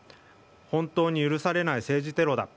本当に許されない政治テロだ。